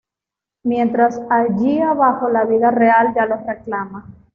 Mientras, allí abajo, la vida real ya los reclama.